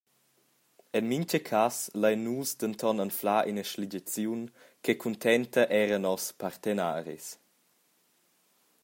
En mintga cass lein nus denton anflar ina sligiaziun che cuntenta era nos partenaris.